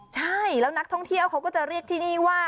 ใช่แล้วนักท่องเที่ยวเขาก็จะเรียกที่นี่ว่า